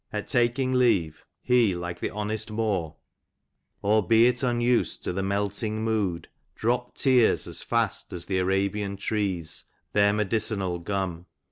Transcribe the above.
At taking leave, he, like the honest Moor :— 'Albeit, unused to the melting mood, Dropped tears as fast as the Arabian trees, Their medicinal gum.'